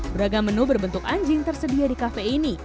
beragam menu berbentuk anjing tersedia di kafe ini